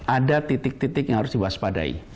ada titik titik yang harus diwaspadai